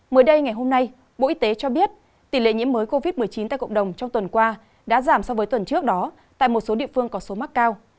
mới đây ngày hôm nay bộ y tế cho biết tỷ lệ nhiễm mới covid một mươi chín tại cộng đồng trong tuần qua đã giảm so với tuần trước đó tại một số địa phương có số mắc cao